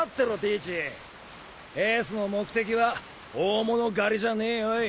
エースの目的は大物狩りじゃねえよい。